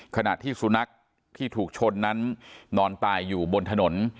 ขณะที่สุนัขที่ถูกชนนั้นนอนตายอยู่บนถนน